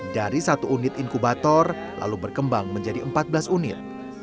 dari satu unit inkubator lalu berkembang menjadi empat belas unit